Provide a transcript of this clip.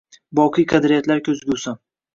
Boqiy qadriyatlar ko‘zgusi